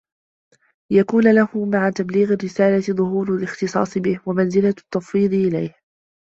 لِيَكُونَ لَهُ مَعَ تَبْلِيغِ الرِّسَالَةِ ظُهُورُ الِاخْتِصَاصِ بِهِ وَمَنْزِلَةُ التَّفْوِيضِ إلَيْهِ